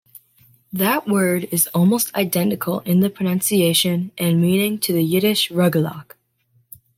That word is almost identical in pronunciation and meaning to the Yiddish "rugelach".